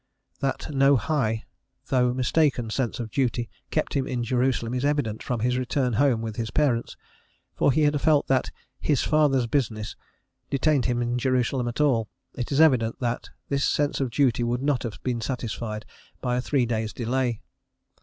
That no high, though mistaken, sense of duty kept him in Jerusalem is evident from his return home with his parents; for had he felt that "his Father's business" detained him in Jerusalem at all, it is evident that this sense of duty would not have been satisfied by a three days' delay.